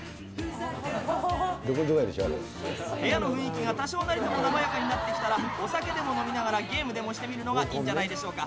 部屋の雰囲気が多少なりとも和やかになってきたら、お酒でも飲みながら、ゲームでもしてみるのがいいんじゃないでしょうか。